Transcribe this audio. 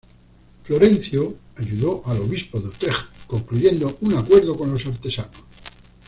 Florencio ayudó al obispo de Utrecht concluyendo un acuerdo con los artesanos.